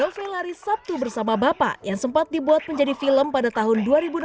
novel lari sabtu bersama bapak yang sempat dibuat menjadi film pada tahun dua ribu enam belas